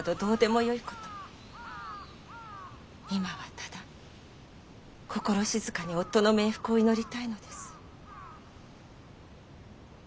今はただ心静かに夫の冥福を祈りたいのです。